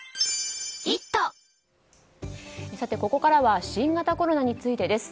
ここからは新型コロナについてです。